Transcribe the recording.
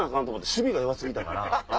守備が弱過ぎたから。